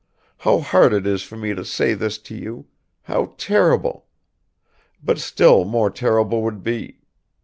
How hard it is for me to say this to you how terrible; but still more terrible would be